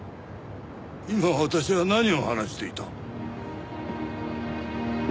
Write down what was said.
今私は何を話していた？